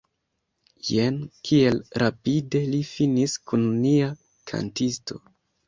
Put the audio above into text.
Jen kiel rapide li finis kun nia kantisto!